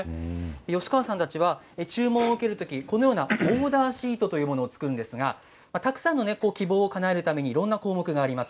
吉川さんたちは注文を受けるときこのようなオーダーシートというものを作るんですが、たくさんの希望をかなえるためにいろいろな項目があります。